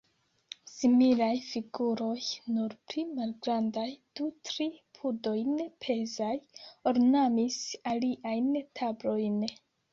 Similaj figuroj, nur pli malgrandaj, du-tri pudojn pezaj, ornamis aliajn tablojn.